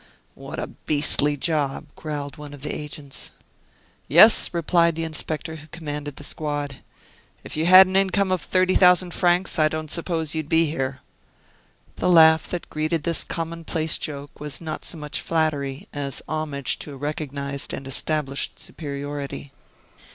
"What a beastly job!" growled one of the agents. "Yes," replied the inspector who commanded the squad; "if you had an income of thirty thousand francs, I don't suppose you'd be here." The laugh that greeted this common place joke was not so much flattery as homage to a recognized and established superiority.